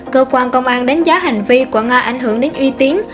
cơ quan công an đánh giá hành vi của nga ảnh hưởng đến uy tín